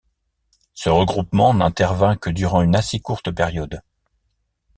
Ce regroupement n’intervint que durant une assez courte période.